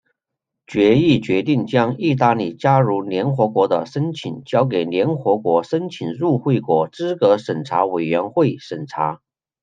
决议决定将意大利加入联合国的申请交给联合国申请入会国资格审查委员会审查。